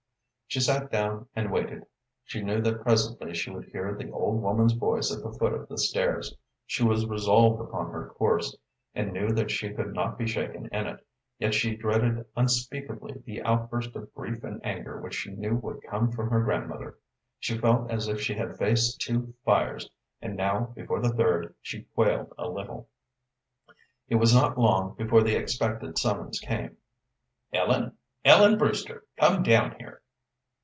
She sat down and waited. She knew that presently she would hear the old woman's voice at the foot of the stairs. She was resolved upon her course, and knew that she could not be shaken in it, yet she dreaded unspeakably the outburst of grief and anger which she knew would come from her grandmother. She felt as if she had faced two fires, and now before the third she quailed a little. It was not long before the expected summons came. "Ellen Ellen Brewster, come down here!"